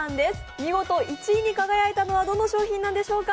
見事１位に輝いたのは、どの商品なんでしょうか？